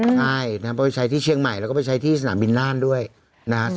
ใช่นะครับไปใช้ที่เชียงใหม่แล้วก็ไปใช้ที่สนามบินน่านด้วยนะฮะ